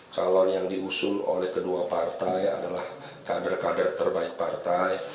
kalau yang diusung oleh kedua partai adalah kader kader terbaik partai